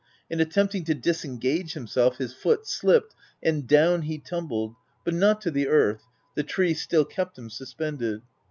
In attempting to dis engage himself, his foot slipped, and down he tumbled — but not to the earth ;— the tree still kept him suspended.